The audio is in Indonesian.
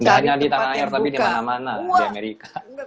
nggak hanya di tanah air tapi dimana mana di amerika